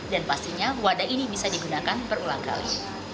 dan pastinya wadah ini bisa digunakan berulang kali